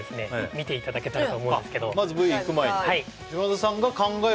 見ていただけたらと思うんですけどまずＶいく前にはいそうですね